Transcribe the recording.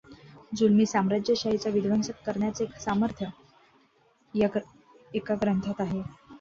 जुलमी साम्राज्यशाहीचा विध्वंस करण्याचे सामर्थ्य या एका ग्रंथात आहे.